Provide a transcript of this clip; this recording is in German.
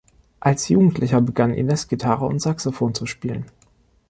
Als Jugendlicher begann Inez Gitarre und Saxophon zu spielen.